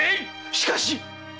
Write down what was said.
しかし殿！